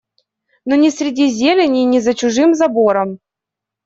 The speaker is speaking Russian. Но ни среди зелени, ни за чужим забором